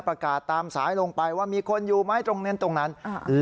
ประกาศตามสายลงไปว่ามีคนอยู่ไหมตรงนั้นตรงนั้นอ่า